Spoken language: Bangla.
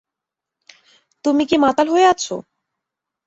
তুমি কি মাতাল হয়ে আছো?